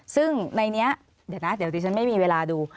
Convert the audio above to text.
ซึ่งในนี้เดี๋ยวนะเดี๋ยวดิฉันไม่มีเวลาดู